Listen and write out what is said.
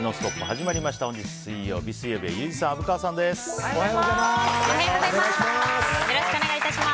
おはようございます。